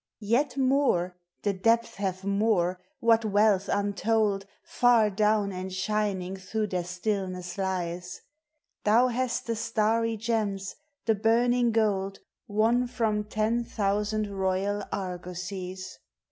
Yet more, the depths have more! whal wealth untold, Far down, and shining through their stillneM lies! Thou nasi the starry gems, the burning gold, Won from ten thousand royal argosies!